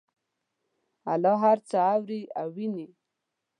الله هر څه اوري او ویني